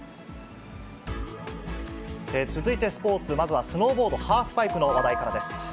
続いてスポーツ、まずはスノーボードハーフパイプの話題からです。